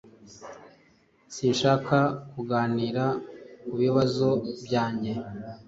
Sinshaka kuganira kubibazo byanjye.